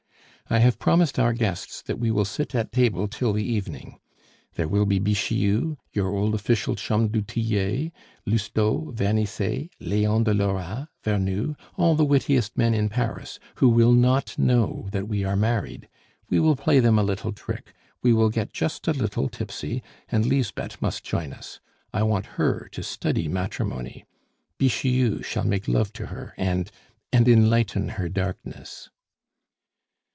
"I have promised our guests that we will sit at table till the evening. There will be Bixiou, your old official chum du Tillet, Lousteau, Vernisset, Leon de Lora, Vernou, all the wittiest men in Paris, who will not know that we are married. We will play them a little trick, we will get just a little tipsy, and Lisbeth must join us. I want her to study matrimony; Bixiou shall make love to her, and and enlighten her darkness."